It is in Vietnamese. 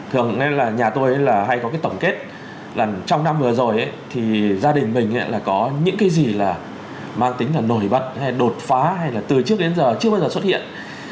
thường nên là nhà tôi là hay có cái tổng kết là trong năm vừa rồi thì gia đình mình là có những cái gì là mang tính là nổi bật hay đột phá hay là từ trước đến giờ chưa bao giờ xuất hiện